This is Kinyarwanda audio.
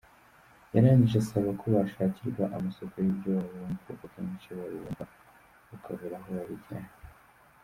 Yarangije asaba ko bashakirwa amasoko y’ibyo babumba kuko kenshi babibumba bakabura aho babijyana.